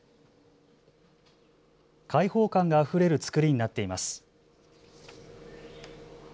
開放感があふれるつくりになっています。